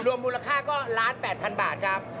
มูลค่าก็๑๘๐๐๐บาทครับ